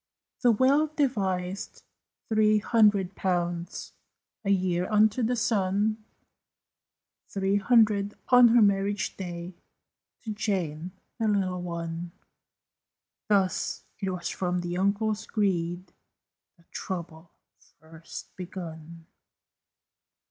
The will devised three hundred pounds A year unto the son, Three hundred, on her marriage day, To Jane, the little one. Thus it was from the uncle's greed That trouble first begun.